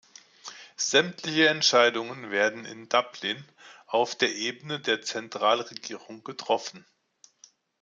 Sämtliche Entscheidungen werden in Dublin auf der Ebene der Zentralregierung getroffen.